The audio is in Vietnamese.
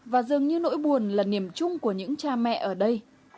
và dường như nỗi buồn là niềm chung của những cha mẹ ở đây